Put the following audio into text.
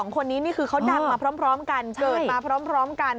คนนี้นี่คือเขาดังมาพร้อมกันเกิดมาพร้อมกัน